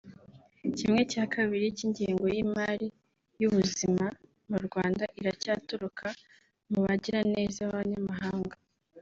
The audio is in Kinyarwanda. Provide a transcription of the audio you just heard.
Kimwe cya kabiri cy’ingengo y’imari y’ubuzima mu Rwanda iracyaturuka mu bagiraneza b’abanyamahanga